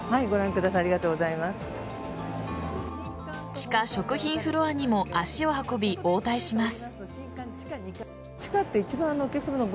地下食品フロアにも足を運び応対します。